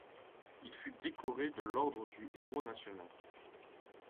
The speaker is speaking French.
Il fut décoré de l'Ordre du Héros national.